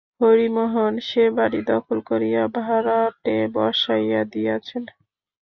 হরিমোহন সে বাড়ি দখল করিয়া ভাড়াটে বসাইয়া দিয়াছেন।